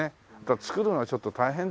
造るのがちょっと大変ですもんね